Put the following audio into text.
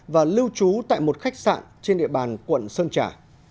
và lưu trú tại một khách sạn trên địa bàn quận sơn trà